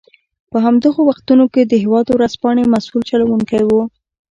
په همدغو وختونو کې د هېواد ورځپاڼې مسوول چلوونکی و.